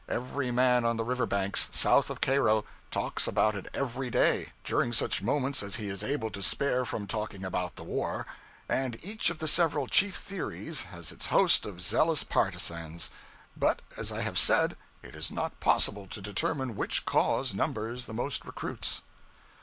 Every man on the river banks, south of Cairo, talks about it every day, during such moments as he is able to spare from talking about the war; and each of the several chief theories has its host of zealous partisans; but, as I have said, it is not possible to determine which cause numbers the most recruits.